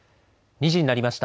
２時になりました。